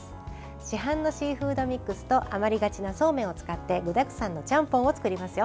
市販のシーフードミックスと余りがちなそうめんを使って具だくさんのちゃんぽんを作りますよ。